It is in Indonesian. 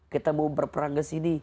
kita mau berperang ke sini